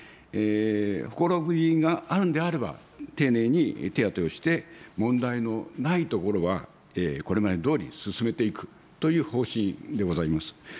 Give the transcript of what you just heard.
ほころびがあるのであれば、丁寧に手当てをして、問題のないところはこれまでどおり進めていくという方針でございます。